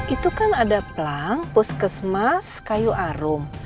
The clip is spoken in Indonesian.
itu kan ada plang poskesmas kayu arum